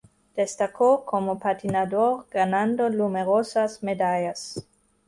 Destacó como patinador ganando numerosas medallas.